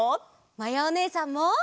まやおねえさんも。